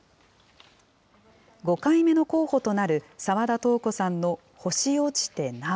５回目の候補となる澤田瞳子さんの星落ちて、なお。